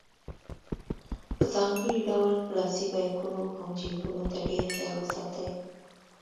په ځانګړي ډول لاسي بیکونو او جیبونو ته ډېر خیال وساتئ.